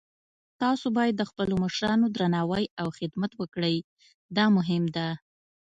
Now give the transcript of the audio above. تاسو باید د خپلو مشرانو درناوی او خدمت وکړئ، دا مهم ده